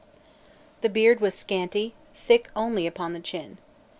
] The beard was scanty, thick only upon the chin.